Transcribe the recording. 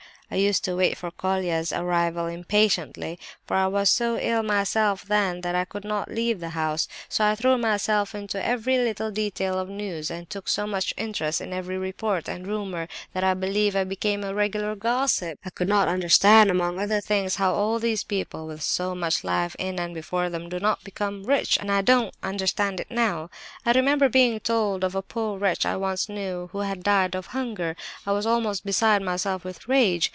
I used to wait for Colia's arrival impatiently, for I was so ill myself, then, that I could not leave the house. I so threw myself into every little detail of news, and took so much interest in every report and rumour, that I believe I became a regular gossip! I could not understand, among other things, how all these people—with so much life in and before them—do not become rich—and I don't understand it now. I remember being told of a poor wretch I once knew, who had died of hunger. I was almost beside myself with rage!